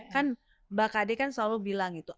kan mbak kd kan selalu bilang gitu